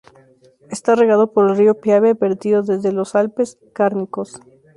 Está regado por el río Piave vertido desde los Alpes Cárnicos.